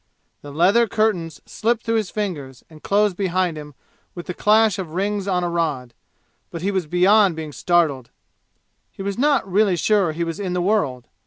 The leather curtains slipped through his fingers and closed behind him with the clash of rings on a rod. But he was beyond being startled. He was not really sure he was in the world.